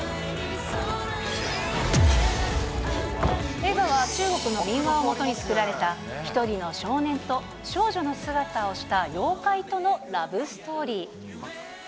映画は中国の民話を基に作られた１人の少年と少女の姿をした妖怪とのラブストーリー。